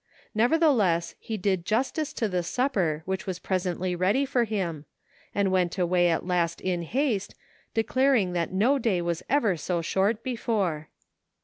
Nevertheless he did justice to the supper which was presently ready for him, and went away at last in haste, declaring that no day was ever so short before.